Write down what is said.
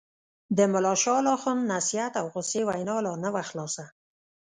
د ملا شال اخُند نصیحت او غوسې وینا لا نه وه خلاصه.